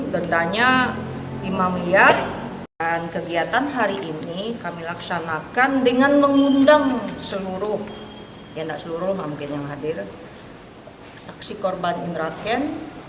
bendanya imam lihat dan kegiatan hari ini kami laksanakan dengan mengundang seluruh ya enggak seluruh mungkin yang hadir saksi korban indraken